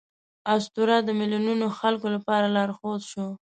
اسطوره د میلیونونو خلکو لپاره لارښود شو.